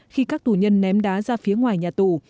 khi các tù nhân ném đá ra phía ngoài nhà tù